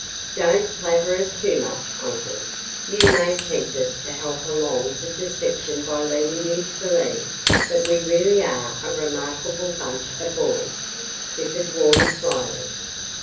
"Don't flatter us too much, uncle, or you may tempt us to help along the deception by leading you to believe that we really are a remarkable bunch of boys," Clifford warned, slyly.